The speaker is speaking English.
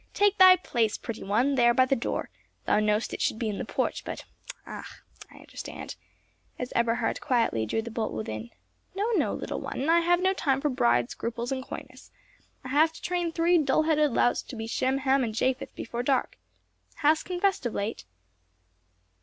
Take thy place, pretty one, there, by the door, thou know'st it should be in the porch, but—ach, I understand!" as Eberhard quietly drew the bolt within. "No, no, little one, I have no time for bride scruples and coyness; I have to train three dull headed louts to be Shem, Ham, and Japhet before dark. Hast confessed of late?"